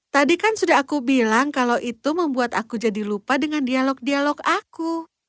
tadi kan sudah aku bilang kalau itu membuat aku jadi lupa dengan dialog dialog aku